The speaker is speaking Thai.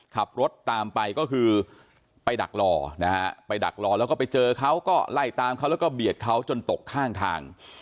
ขับรถตามไปก็คือไปดักรอนะฮะไปดักรอแล้วก็ไปเจอเขาก็ไล่ตามเขาแล้วก็เบียดเขาจนตกข้างทาง